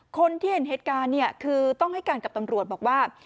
คนที่เห็นเหตุการณ์เนี่ยคือต้องให้การกับตำรวจบอกว่า